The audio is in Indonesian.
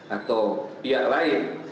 atau pihak lain